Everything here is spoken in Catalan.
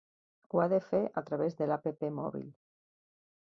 Ho ha de fer a través de l'App mòbil.